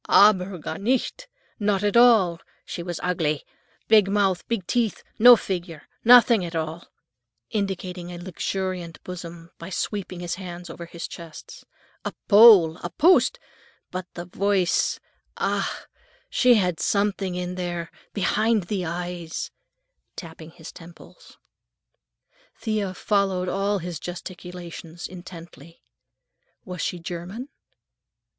"Aber gar nicht! Not at all. She was ugly; big mouth, big teeth, no figure, nothing at all," indicating a luxuriant bosom by sweeping his hands over his chest. "A pole, a post! But for the voice—ach! She have something in there, behind the eyes," tapping his temples. Thea followed all his gesticulations intently. "Was she German?"